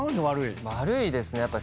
悪いですね。